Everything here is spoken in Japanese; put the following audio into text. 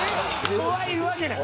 怖いわけない。